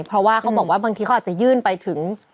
เพราะว่าเขาบอกว่าบางทีเขาอาจจะยื่นไปถึง